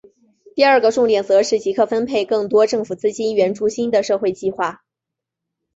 第二个重点则是即刻分配更多政府资金援助新的社会计画。